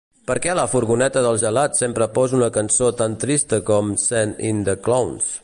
Per què la furgoneta dels gelats sempre posa una cançó tan trista com "Send in the clowns"?